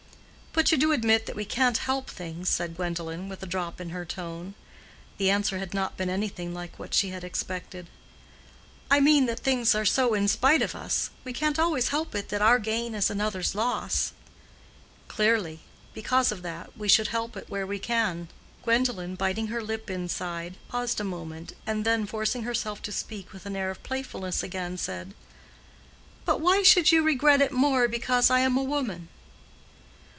"But you do admit that we can't help things," said Gwendolen, with a drop in her tone. The answer had not been anything like what she had expected. "I mean that things are so in spite of us; we can't always help it that our gain is another's loss." "Clearly. Because of that, we should help it where we can." Gwendolen, biting her lip inside, paused a moment, and then forcing herself to speak with an air of playfulness again, said, "But why should you regret it more because I am a woman?"